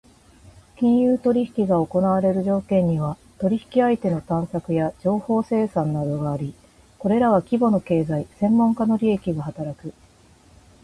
金融取引が行われる条件には、取引相手の探索や情報生産などがあり、これらは規模の経済・専門家の利益が働く。